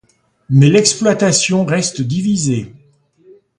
Mais l'exploitation reste divisée.